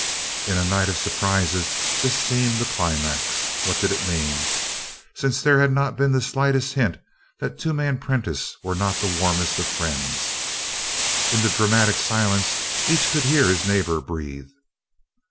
In a night of surprises this seemed the climax. What did it mean, since there had not been the slightest hint that Toomey and Prentiss were not the warmest of friends? In the dramatic silence each could hear his neighbor breathe.